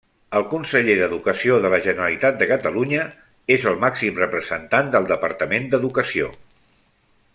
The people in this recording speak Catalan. El conseller d'Educació de la Generalitat de Catalunya és el màxim representant del departament d'Educació.